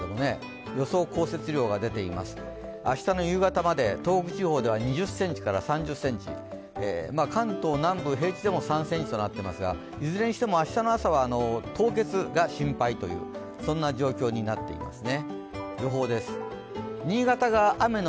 予想降雪量が明日の夕方まで東北地方では２０ｃｍから３０ｃｍ、関東南部、平地でも３ｃｍとなっていますがいずれにしても明日の朝は凍結が心配という状況になっていますね。